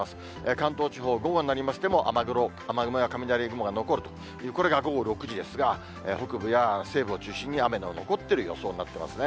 関東地方、午後になりましても、雨雲や雷雲が残るという、これが午後６時ですが、北部や西部を中心に、雨の残っている予想になってますね。